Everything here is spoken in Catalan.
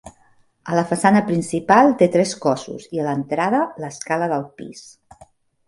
A la façana principal té tres cossos i a l'entrada l'escala del pis.